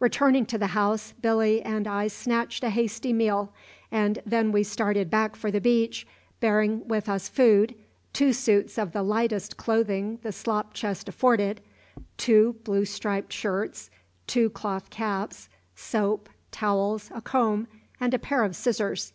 Returning to the house, Billy and I snatched a hasty meal, and then we started back for the beach, bearing with us food, two suits of the lightest clothing the slop chest afforded, two blue striped shirts, two cloth caps, soap, towels, a comb, and a pair of scissors.